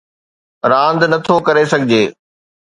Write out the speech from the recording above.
راند نه ٿو ڪري سگھجي